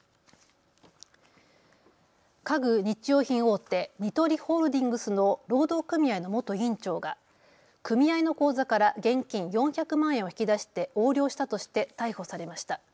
家具日用品大手、ニトリホールディングスの労働組合の元委員長が組合の口座から現金４００万円を引き出して横領したとして逮捕されました。